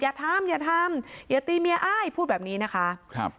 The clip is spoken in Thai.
อย่าทำอย่าทำอย่าตีเมียอ้ายพูดแบบนี้นะคะครับ